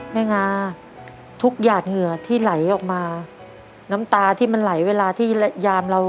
งาทุกหยาดเหงื่อที่ไหลออกมาน้ำตาที่มันไหลเวลาที่ยามเรา